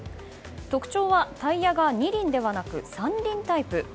特徴はタイヤが二輪ではなく三輪タイプ。